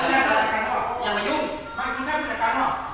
อ๋ออยากกลับไปอยากกลับไป